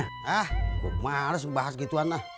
hah gue males ngebahas gituan lah